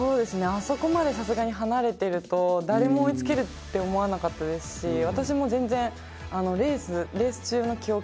あそこまでさすがに離れてると誰も追いつけるって思わなかったですし私も全然レース。